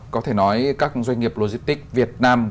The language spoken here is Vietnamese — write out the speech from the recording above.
có thể nói các doanh nghiệp logistic việt nam